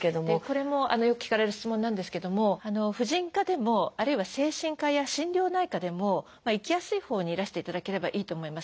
これもよく聞かれる質問なんですけども婦人科でもあるいは精神科や心療内科でも行きやすいほうにいらしていただければいいと思います。